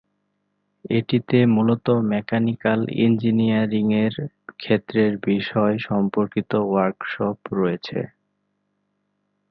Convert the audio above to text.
এটিতে মূলত মেকানিকাল ইঞ্জিনিয়ারিংয়ের ক্ষেত্রের বিষয় সম্পর্কিত ওয়ার্কশপ রয়েছে।